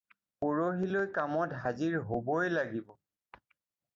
পৰহিলৈ কামত হাজিৰ হ'বই লাগিব।